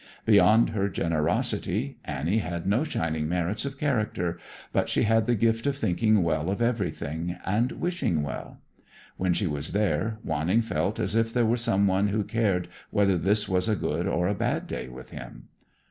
Beyond her generosity, Annie had no shining merits of character, but she had the gift of thinking well of everything, and wishing well. When she was there Wanning felt as if there were someone who cared whether this was a good or a bad day with him.